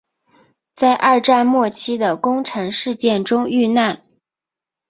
在二战末期的宫城事件中遇难。